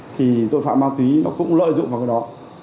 thì tội phạm ma túy nó cũng lợi dụng vào cái đó